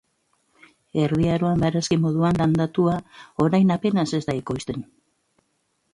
Erdi Aroan barazki moduan landatua, orain apenas ez da ekoizten.